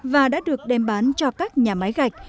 và đã được đem bán cho các nhà máy gạch